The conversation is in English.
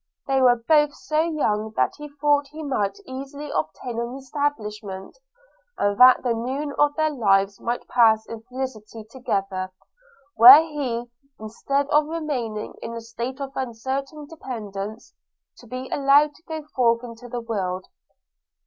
They were both so young that he thought he might easily obtain an establishment, and that the noon of their lives might pass in felicity together, were he, instead of remaining in a state of uncertain dependence, to be allowed to go forth into the world.